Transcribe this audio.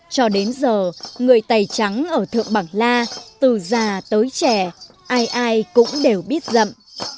cho đến giờ người tày trắng ở thượng bằng la từ già tới trẻ ai ai cũng đều biết rậm